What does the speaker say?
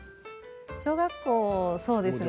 小学校そうですね。